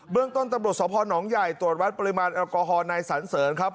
เบื้องต้นตำรวจสอบภัณฑ์หนองใหญ่ตรวจวัตรปริมาณแอลกอฮอล์ในสันเสริมครับ